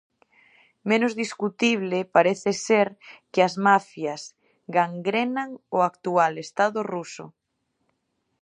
Menos discutible parece ser que as mafias gangrenan o actual Estado ruso.